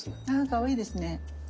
あかわいいですね。